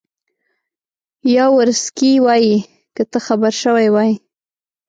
یاورسکي وایي که ته خبر شوی وای.